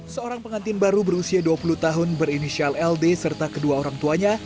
seorang pengantin baru berusia dua puluh tahun berinisial ld serta kedua orang tuanya